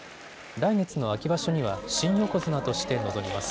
来月の秋場所には新横綱として臨みます。